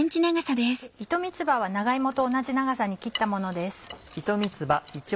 糸三つ葉は長芋と同じ長さに切ったものです。